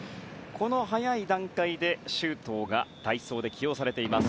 この早い段階で周東が代走で起用されています。